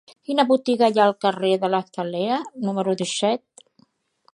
Quina botiga hi ha al carrer de l'Azalea número disset?